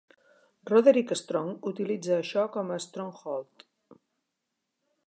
Roderick Strong utilitza això com a "Strong Hold".